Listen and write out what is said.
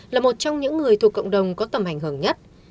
là một trong những người thuộc cộng đồng có tầm ảnh hưởng nhất